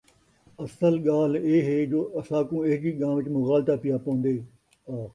اَصل ڳالھ ایہ ہے جو اساکوں اِہجی ڳاں وِچ مغالطہ پِیا پوندے اَ